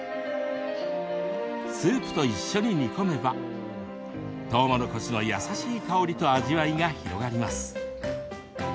スープと一緒に煮込めばとうもろこしの優しい香りと味わいが広がります。